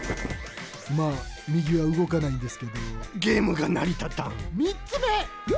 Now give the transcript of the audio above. まあみぎはうごかないんですけどゲームがなりたたんみっつめ！